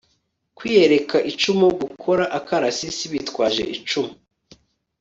kwiyereka icumu gukora akarasisi bitwaje icumu